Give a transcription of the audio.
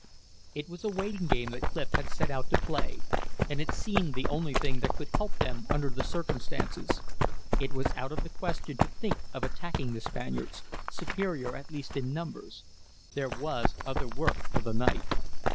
It was a waiting game that Clif had set out to play, and it seemed the only thing that could help them under the circumstances. It was out of the question to think of attacking the Spaniards, superior at least in numbers. There was other work for the night.